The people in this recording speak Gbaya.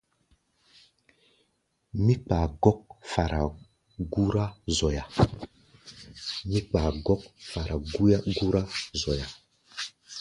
Mí kpaa gɔ́k fara gúrá zoya.